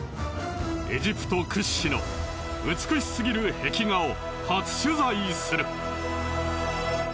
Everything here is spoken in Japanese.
エジプト屈指の美しすぎる壁画を初取材する。